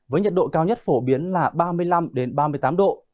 với nhiệt độ cao nhất phổ biến là ba mươi năm ba mươi tám độ